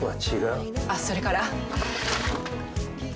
あっそれから。